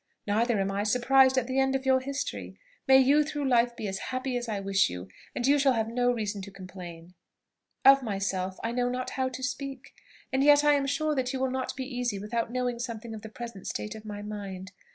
Neither am I surprised at the end of your history. May you through life be as happy as I wish you, and you shall have no reason to complain. "Of myself I know not how to speak; and yet I am sure that you will not be easy without knowing something of the present state of my mind.